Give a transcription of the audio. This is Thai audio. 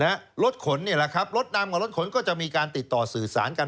รถขนเนี่ยแหละครับรถนำกับรถขนก็จะมีการติดต่อสื่อสารกัน